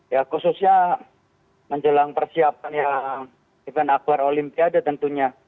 ya khususnya menjelang persiapan event akbar olimpiade tentunya